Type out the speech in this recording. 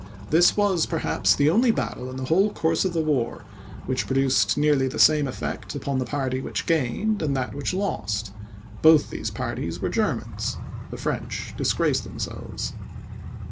This was, perhaps, the only battle, in the whole course of the war, which produced nearly the same effect upon the party which gained, and that which lost; both these parties were Germans; the French disgraced themselves.